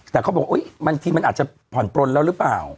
แต่เขาบอกเฮ้ยมันอาจจะผ่อนป้นแล้วรึเปล่า